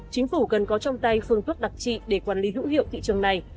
chính phủ cần có trong tay phương thuốc đặc trị để quản lý hữu hiệu thị trường này